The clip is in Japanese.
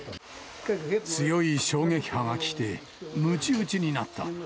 強い衝撃波が来て、むちうちになった。